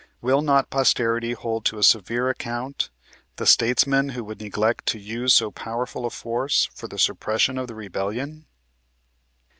Will not posterity hold to a severe account the statesman who would neglect to use so powerful a force for the suppression of the Rebellion